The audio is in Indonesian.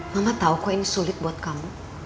mama tahu kok ini sulit buat kamu